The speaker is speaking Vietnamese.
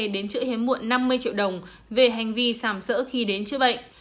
đến chữ hiếm muộn năm mươi triệu đồng về hành vi sàm sỡ khi đến chữa bệnh